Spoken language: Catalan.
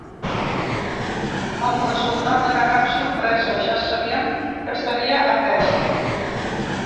El resultat no era cap sorpresa, ja sabíem que seria aquest.